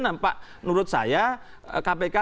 nampak menurut saya kpk